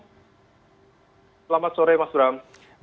selamat sore mas ram